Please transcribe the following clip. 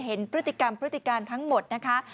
เห็นพฤติกรรมพฤติการทั้งหมดนะคะ